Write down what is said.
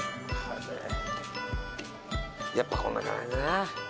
やっぱこんな感じだな。